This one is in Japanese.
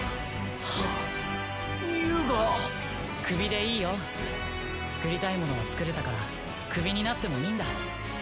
クビでいいよ。作りたいものが作れたからクビになってもいいんだ。